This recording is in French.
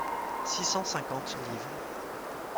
six cent cinquante livres.